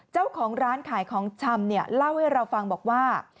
เจ้าของร้านขายของชำเนี่ยเล่าให้เราฟังบอกว่า